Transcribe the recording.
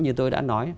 như tôi đã nói